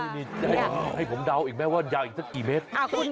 นี่ให้ผมเดาอีกไหมว่ายาวอีกสักกี่เมตร